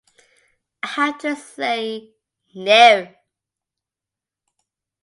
I have to say no.